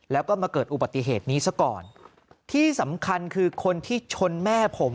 แล้วก็มาเกิดอุบัติเหตุนี้ซะก่อนที่สำคัญคือคนที่ชนแม่ผม